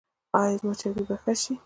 ایا زما چربي به ښه شي؟